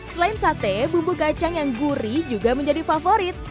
selain sate bumbu kacang yang gurih juga menjadi favorit